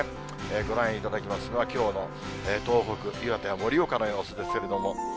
ご覧いただきますのは、きょうの東北、岩手は盛岡の様子ですけれども。